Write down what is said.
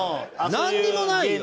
なんにもないよ。